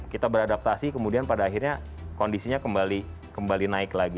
kita beradaptasi kemudian pada akhirnya kondisinya kembali naik lagi